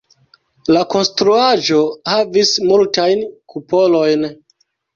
La konstruaĵo havis multajn kupolojn.